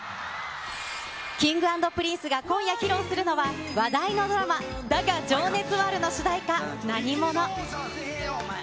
Ｋｉｎｇ＆Ｐｒｉｎｃｅが今夜披露するのは、話題のドラマ、だが、情熱はあるの主題歌、なにもの。